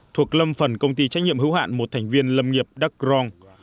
thuộc lâm phần công ty trách nhiệm hữu hạn một thành viên lâm nghiệp đắk rông